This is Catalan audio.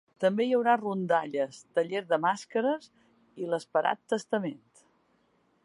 També hi haurà rondalles, taller de màscares i l’esperat testament.